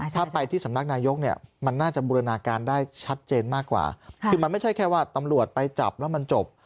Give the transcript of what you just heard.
ถ้าไปที่สำนักนายกเนี่ยมันน่าจะบูรณาการได้ชัดเจนมากกว่าคือมันไม่ใช่แค่ว่าตำรวจไปจับแล้วมันจบ